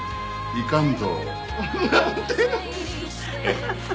いかんぞう。